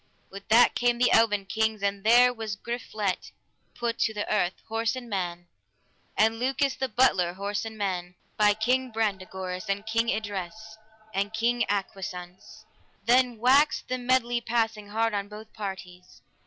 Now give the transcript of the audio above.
With that came the eleven kings, and there was Griflet put to the earth, horse and man, and Lucas the butler, horse and man, by King Brandegoris, and King Idres, and King Agwisance. Then waxed the medley passing hard on both parties.